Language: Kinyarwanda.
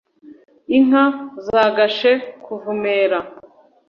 inka zagashe kuvumera